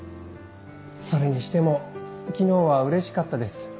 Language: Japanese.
それにしても昨日はうれしかったです。